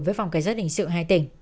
với phòng cải giác hình sự hai tỉnh